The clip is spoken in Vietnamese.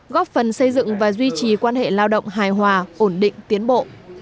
góp phần xây dựng và duy trì quan hệ lao động hài hòa ổn định tiến bộ